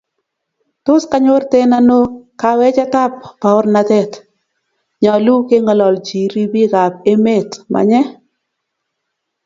Tos kanyorten ano kawechet ap paornatet? Nyalu keng'ololji ribik ap emet, manye?